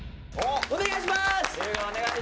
龍我お願いします。